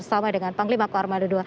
bersama dengan panglima ke armada dua